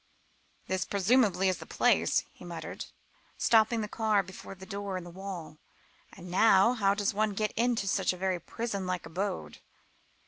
"This, presumably, is the place," he muttered, stopping the car before a door in the wall; "and now, how does one get into such a very prison like abode?"